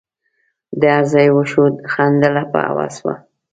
د هر ځای وښو خندله په هوس وه